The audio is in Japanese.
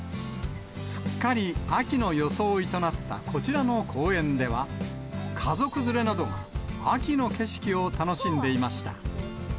すっかり秋の装いとなったこちらの公園では、家族連れなどが秋の景色を楽しんでいました。